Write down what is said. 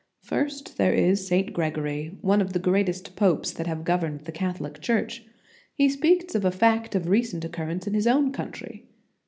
First, there is St. Gregory, one of the greatest popes that have governed the Catho lic Church. He speaks of a fact of recent occurrence in his own country.